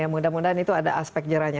mudah mudahan itu ada aspek jerahnya